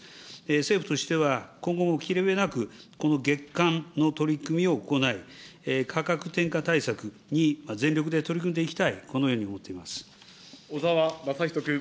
政府としては、今後も切れ目なく、この月間の取り組みを行い、価格転嫁対策に全力で取り組んでいきたい、このように思っていま小沢雅仁君。